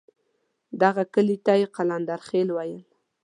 دغه کلي ته یې قلندرخېل ویل.